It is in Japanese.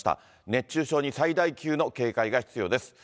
熱中症に最大級の警戒が必要です。